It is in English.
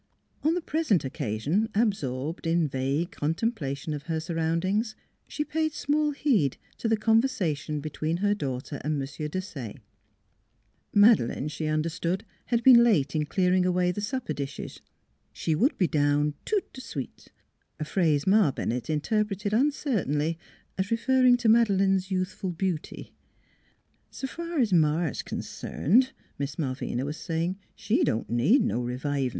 On the present occasion, absorbed in vague contemplation of her surroundings, she paid small heed to the conversation between her daughter and M. Desaye. Madeleine, she un derstood, had been late in clearing away the supper dishes ; she would be down toute de suite a phrase Ma Bennett interpreted uncertainly as referring to Madeleine's youthful beauty. " 'S fur's Ma's concerned," Miss Malvina was saying, " she don't need no revivin'.